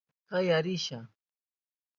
Kaya risha.